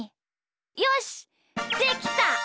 よしできた！